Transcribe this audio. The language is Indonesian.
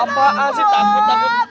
apaan sih takut takut